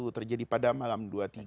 terjadi pada malam dua puluh tiga